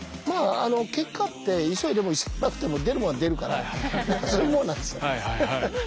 まああの結果って急いでも急がなくても出るもんは出るからそういうもんなんですよ。